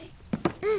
うん。